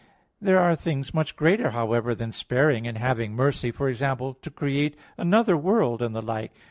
There are things much greater, however, than sparing and having mercy; for example, to create another world, and the like.